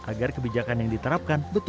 agar kebijakan yang diterapkan akan lebih berlaku